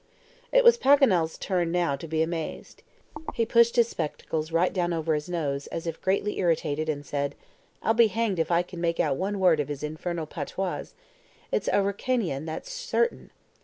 It was Paganel's turn now to be amazed. He pushed his spectacles right down over his nose, as if greatly irritated, and said, "I'll be hanged if I can make out one word of his infernal patois. It is Araucanian, that's certain!"